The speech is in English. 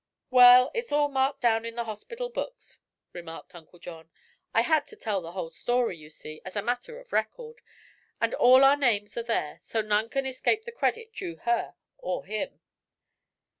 "Well, it's all marked down in the hospital books," remarked Uncle John. "I had to tell the whole story, you see, as a matter of record, and all our names are there, so none can escape the credit due her or him."